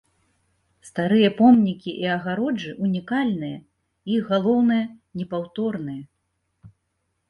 Старыя помнікі і агароджы ўнікальныя і, галоўнае, непаўторныя.